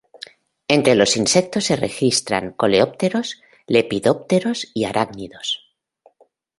Entre los insectos se registran coleópteros, lepidópteros y arácnidos.